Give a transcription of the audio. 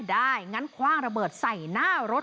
ได้งั้นคว่างระเบิดใส่หน้ารถ